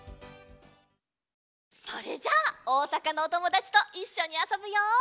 それじゃあおおさかのおともだちといっしょにあそぶよ！